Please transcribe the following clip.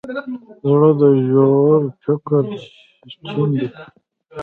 زړه د ژور فکر چین دی.